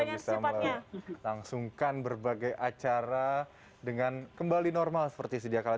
bisa melangsungkan berbagai acara dengan kembali normal seperti sediakala